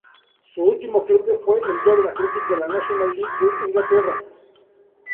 Su último club fue el Dover Athletic de la National League de Inglaterra.